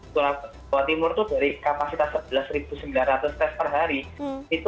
jawa timur itu dari kapasitas sebelas sembilan ratus tes per hari itu empat puluh sembilan tujuh